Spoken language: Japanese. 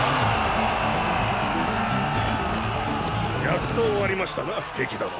やっと終わりましたな壁殿。